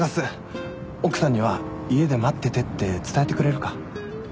奥さんには家で待っててって伝えてくれるか？